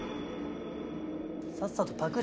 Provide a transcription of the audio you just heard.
さっさとパクれ。